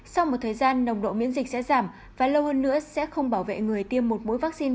sau một thời gian nồng độ miễn dịch sẽ giảm và lâu hơn nữa sẽ không bảo vệ người tiêm một mũi vaccine